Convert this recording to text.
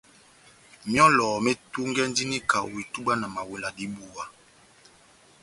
Myɔ́lɔ metungɛndini kaho itubwa na mawela dibuwa.